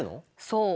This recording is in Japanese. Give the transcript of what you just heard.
そう。